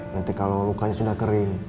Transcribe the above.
nanti kalau lukanya sudah kering